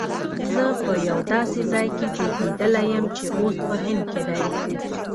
زه په یو داسي ځای کي زیږېدلی یم چي اوس په هند کي دی